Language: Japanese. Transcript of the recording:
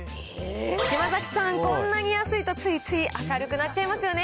島崎さん、こんなに安いとついつい明るくなっちゃいますよね。